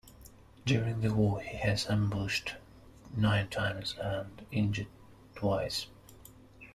During the war, he was ambushed nine times and injured twice.